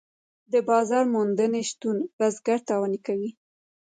د بازار موندنې نشتون بزګر تاواني کوي.